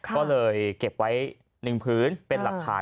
ก็เลยเก็บไว้๑พื้นเป็นหลักฐาน